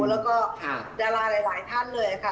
แล้วก็ดาราหลายท่านเลยค่ะ